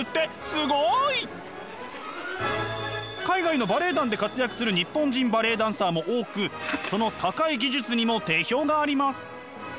すごい！海外のバレエ団で活躍する日本人バレエダンサーも多くその高い技術にも定評があります。